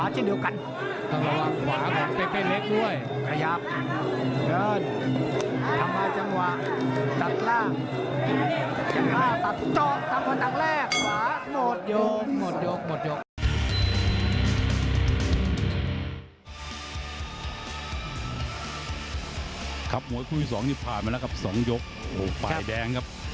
จังห้าตัดจอบทำมาตั้งแรก